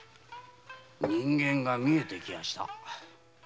人間が見えてきやした。